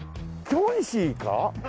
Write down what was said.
キョンシー。